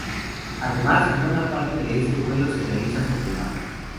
Además, buena parte de este vuelo se realiza sobre el mar.